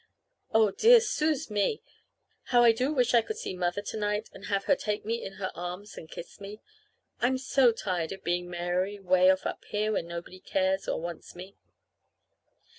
Oh, dear suz me! How I do wish I could see Mother to night and have her take me in her arms and kiss me. I'm so tired of being Mary 'way off up here where nobody cares or wants me.